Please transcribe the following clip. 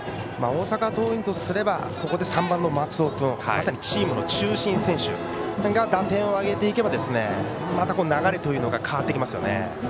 大阪桐蔭とすればここで３番の松尾君まさにチームの中心選手が打点を挙げていけばまた流れが変わってきますよね。